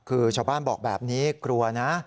คือชาวบ้านบอกแบบนี้กลัวนะ